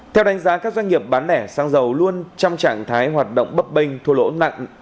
theo đánh giá các doanh nghiệp bán lẻ xăng dầu luôn trong trạng thái hoạt động bấp bênh thua lỗ nặng